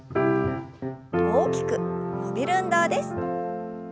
大きく伸びる運動です。